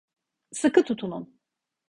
Sıkı tutunun.